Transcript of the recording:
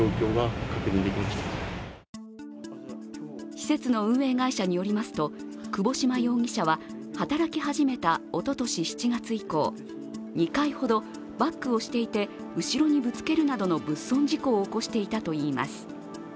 施設の運営会社によりますと窪島容疑者は働き始めたおととし７月以降２回ほど、バックをしていて後ろにぶつけるなどの物損事故を起こしていたといいます。